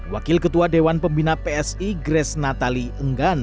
wakil ketua dewan pembina psi grace natali enggan